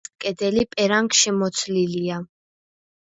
აბსიდის კედელი პერანგშემოცლილია.